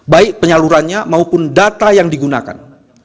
baik penyalurannya maupun data yang digunakan